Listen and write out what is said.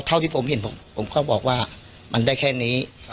เท่าที่ผมเห็นผมก็บอกว่ามันได้แค่นี้